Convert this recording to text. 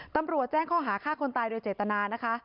ตำรวจแจ้งข้อหาฆ่าคนตายโดยเจตนานะคะ